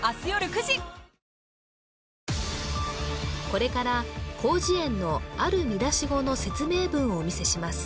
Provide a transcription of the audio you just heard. これから広辞苑のある見出し語の説明文をお見せします